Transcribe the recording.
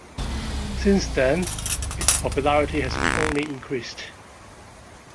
Since then, its popularity has only increased.